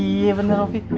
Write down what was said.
iya bener vy